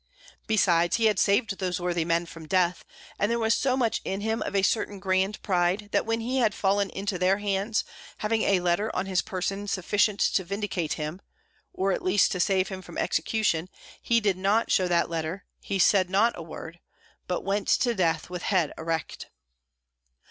Besides, he had saved those worthy men from death, and there was so much in him of a certain grand pride that when he had fallen into their hands, having a letter on his person sufficient to vindicate him, or at least to save him from execution, he did not show that letter, he said not a word, but went to death with head erect.